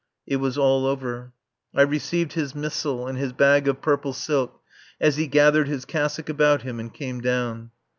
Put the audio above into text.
It was all over. I received his missal and his bag of purple silk as he gathered his cassock about him and came down.